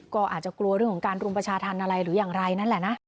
ก็อาจจะกลัวเรื่องของการรุมประชาธรรมอะไรหรืออย่างไรนั่นแหละนะ